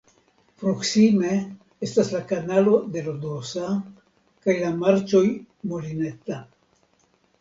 Proksime estas la Kanalo de Lodosa kaj la marĉoj Molineta.